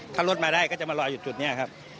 ถ้ารถมาได้ก็จะมารออยู่จุดนี้ครับ